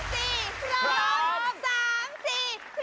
๓๔พร้อม